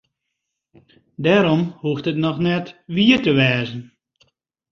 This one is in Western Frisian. Dêrom hoecht it noch net wier te wêzen.